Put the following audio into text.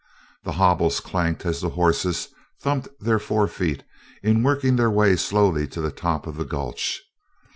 The hobbles clanked as the horses thumped their fore feet in working their way slowly to the top of the gulch.